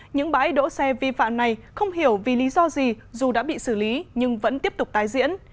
những bãi đỗ xe vi phạm này không hiểu vì lý do gì dù đã bị xử lý nhưng vẫn tiếp tục tái diễn